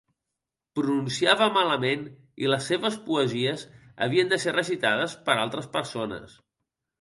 Pronunciava malament i les seves poesies havien de ser recitades per altres persones.